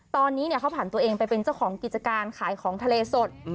ตอนนี้เขาผ่านตัวเองไปเป็นเจ้าของกิจการขายของทะเลสด